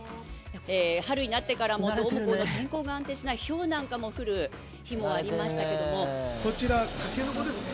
春になってからもどうも天候が安定しないひょうなんかも降る日もありましたけどもこちらたけのこですね